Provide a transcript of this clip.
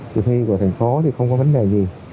kỳ thi của thành phố thì không có vấn đề gì